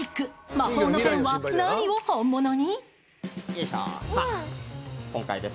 魔法のペンは何を本物に。